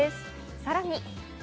さらに。